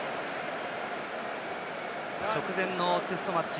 直前のテストマッチ